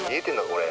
これ」